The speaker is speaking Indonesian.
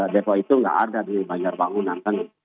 dpo itu tidak ada di banjarwangunan